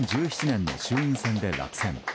２０１７年の衆院選で落選。